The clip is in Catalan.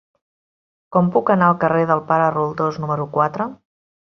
Com puc anar al carrer del Pare Roldós número quatre?